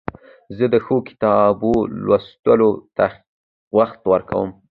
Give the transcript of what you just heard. زه د ښو کتابو لوستلو ته وخت ورکوم.